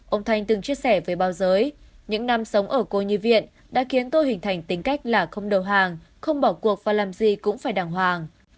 ông thanh từng chia sẻ với báo giới những năm sống ở cô nhi viện đã khiến tôi hình thành tính cách là không đầu hàng không bỏ cuộc và làm gì cũng phải đàng hoàng